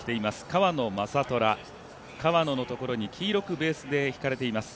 虎、川野のところに黄色くベースで引かれています。